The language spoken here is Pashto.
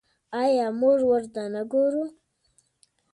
آیا موږ ورته نه ګورو؟